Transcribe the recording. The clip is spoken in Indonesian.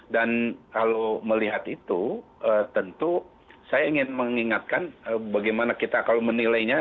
dan kalau melihat itu tentu saya ingin mengingatkan bagaimana kita kalau menilainya